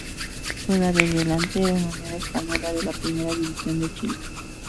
Juega de delantero en Unión Española de la Primera División de Chile.